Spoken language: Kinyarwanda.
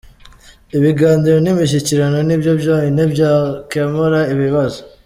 Ibiganiro nimishyikirano ni byo byonyine byakemura ibibazo.